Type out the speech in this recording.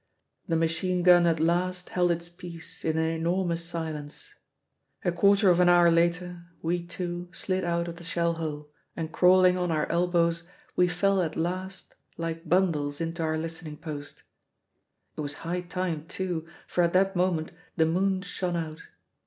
The machine gun at last held its peace in an enormous silence. A quarter of an hour later we two slid out of the shell hole, and crawling on our elbows we fell at last like bundles into our listening post. It was high time, too, for at that moment the moon shone out.